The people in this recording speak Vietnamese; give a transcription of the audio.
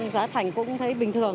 giá thành cũng thấy bình thường